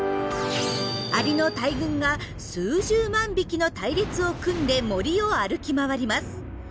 アリの大群が数十万匹の隊列を組んで森を歩き回ります。